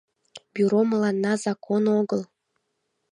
— Бюро мыланна закон огыл!